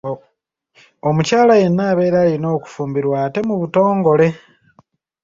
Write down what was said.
Omukyala yenna abeera alina okufumbirwa ate mu butongole.